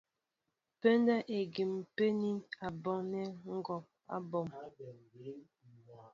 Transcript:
Pə́ndə́ ígí ḿ pə́ə́ní a bon nɛ́ ŋ̀ kɔ a bon.